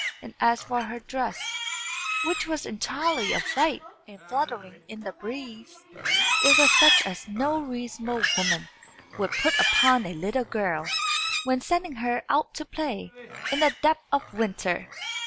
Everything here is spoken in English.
And as for her dress, which was entirely of white, and fluttering in the breeze, it was such as no reasonable woman would put upon a little girl, when sending her out to play, in the depth of winter.